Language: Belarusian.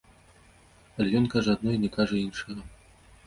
Але ён кажа адно і не кажа іншага.